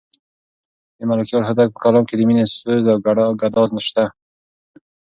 د ملکیار هوتک په کلام کې د مینې سوز او ګداز شته.